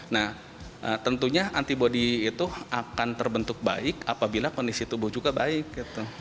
nah tentunya antibody itu akan terbentuk baik apabila kondisi tubuh juga baik gitu